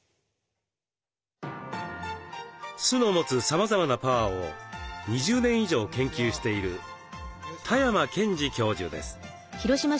酢の持つさまざまなパワーを２０年以上研究している多山賢二教授です。